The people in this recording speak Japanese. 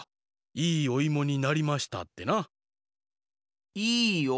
「いいおいもになりました」？